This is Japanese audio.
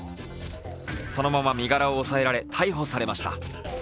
そのまま身柄を抑えられ、逮捕されました。